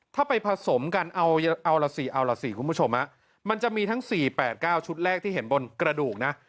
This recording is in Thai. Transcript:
ถ้าไปผสมกันเอาหลังสิก็มันจะมีทั้ง๔๘๙ชุดแรกที่เห็นบนกระดูกนะ